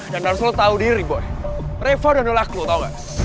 dan harus lo tau diri boy reva udah nolak lo tau gak